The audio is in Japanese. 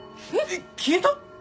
えっ消えた！？